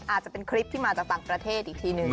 อาจจะเป็นคลิปที่มาจากต่างประเทศอีกทีหนึ่ง